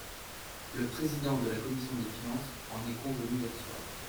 Le président de la commission des finances en est convenu hier soir.